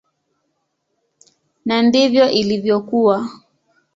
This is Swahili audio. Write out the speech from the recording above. Na ndivyo ilivyokuwa.